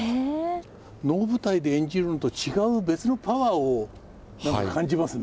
能舞台で演じるのと違う別のパワーを何か感じますね。